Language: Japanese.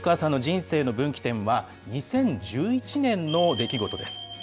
その吉川さんの人生の分岐点は２０１１年の出来事です。